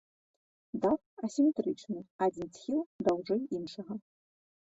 Дах асіметрычны, адзін схіл даўжэй іншага.